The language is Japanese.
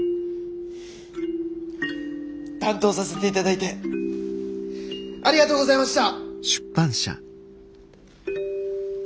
担当させていただいてありがとうございました！